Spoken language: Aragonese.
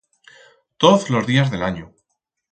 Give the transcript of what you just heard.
Toz los días de l'anyo.